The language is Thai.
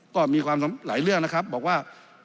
ก็มีความหลายเรื่องนะครับบอกว่า